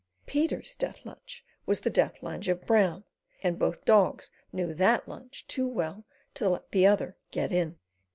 Peter's death lunge was the death lunge of Brown, and both dogs knew that lunge too well to let the other "get in."